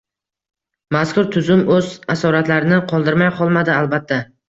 Mazkur tuzum o‘z asoratlarini qoldirmay qolmadi, albatta.